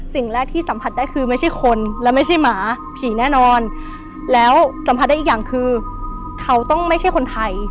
สิ่งแรกที่สัมผัสได้คือไม่ใช่คนและไม่ใช่หมาผีแน่นอนแล้วสัมผัสได้อีกอย่างคือเขาต้องไม่ใช่คนไทย